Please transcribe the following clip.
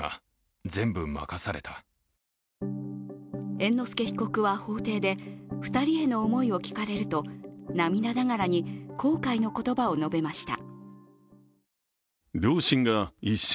猿之助被告は法廷で２人への思いを聞かれると涙ながらに後悔の言葉を述べました。